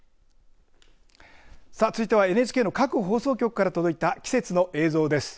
さあ続いてはＮＨＫの各放送局からとどいた季節の映像です。